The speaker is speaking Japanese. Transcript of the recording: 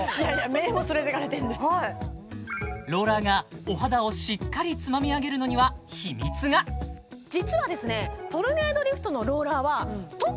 目も連れてかれてんでローラーがお肌をしっかりつまみ上げるのには秘密が実はですね